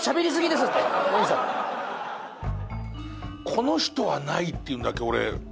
この人はないっていうのだけ俺。